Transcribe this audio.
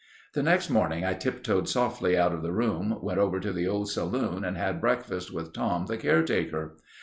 The next morning I tiptoed softly out of the room, went over to the old saloon and had breakfast with Tom, the caretaker.